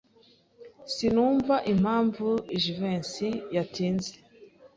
Sinumva impamvu Jivency yatinze.